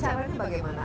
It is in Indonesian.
cara itu bagaimana